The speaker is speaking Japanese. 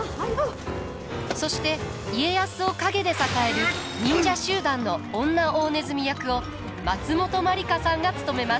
そして家康を陰で支える忍者集団の女大鼠役を松本まりかさんが務めます。